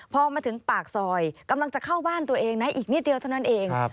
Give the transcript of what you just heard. พอมาถึงปากซอยกำลังจะเข้าบ้านตัวเองนะอีกนิดเดียวเท่านั้นเอง